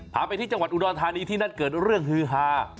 พาไปที่จังหวัดอุดรธานีที่นั่นเกิดเรื่องฮือฮา